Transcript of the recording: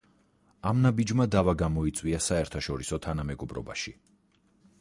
ამ ნაბიჯმა დავა გამოიწვია საერთაშორისო თანამეგობრობაში.